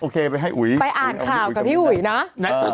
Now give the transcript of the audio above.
โอเคไปให้อุย